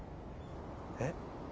えっ？